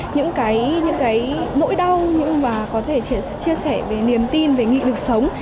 những cái nỗi đau và có thể chia sẻ về niềm tin về nghị lực sống